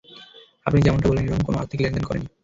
আপনি যেমনটা বললেন এরকম কোনো আর্থিক লেনদেন করেনি।